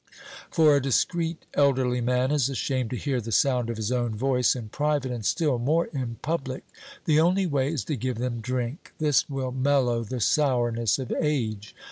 For a discreet elderly man is ashamed to hear the sound of his own voice in private, and still more in public. The only way is to give them drink; this will mellow the sourness of age.